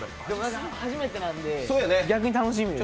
初めてなんで、逆に楽しみです。